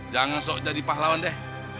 jangan sok jadi pahlawan deh